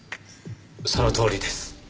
そのとおりです。